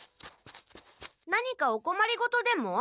何かおこまりごとでも？